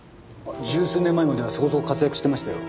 十数年前まではそこそこ活躍してましたよ。